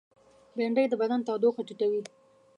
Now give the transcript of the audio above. بېنډۍ د بدن تودوخه ټیټوي